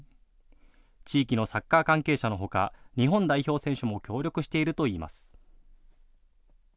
地域のサッカー関係者のほか日本代表選手も協力しているといいます。